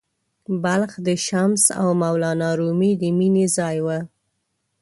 بلخ د “شمس او مولانا رومي” د مینې ځای و.